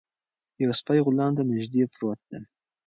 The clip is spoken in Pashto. یو سپی غلام ته نږدې پروت دی.